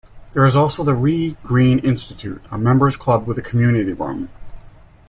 There is also the Wrea Green Institute, a members club with a community room.